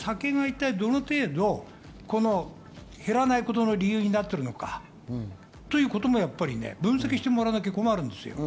すると酒が一体どの程度減らないことの理由になっているのかということも分析してもらわないと困るんですよ。